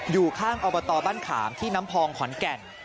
อยู่ข้างอบตบ้านขามที่น้ำพองขอนแก่น